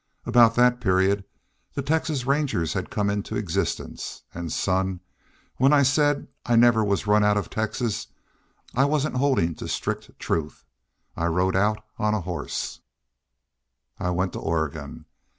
Aboot that period the Texas Rangers had come into existence.... An', son, when I said I never was run out of Texas I wasn't holdin' to strict truth. I rode out on a hoss. "I went to Oregon.